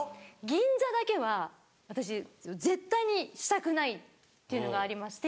銀座だけは私絶対にしたくないっていうのがありまして。